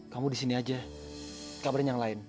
kamu di sini aja kabarin yang lain